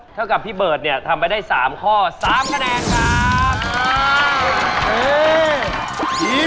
เท่ากับพี่เบิร์ตทำไปได้๓ข้อ๓คะแนนครับ